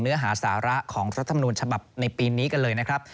เนื้อหาสาระของรัฐธรรมนูญฉบับในปีนี้กันเลยนะครับ